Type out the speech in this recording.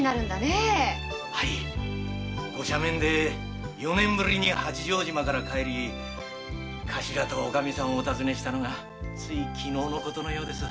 へぇご赦免で四年ぶりに八丈島から帰りカシラとオカミさんをお訪ねしたのがつい昨日の事のようです。